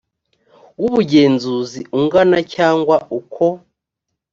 w ubugenzuzi ungana cyangwa uko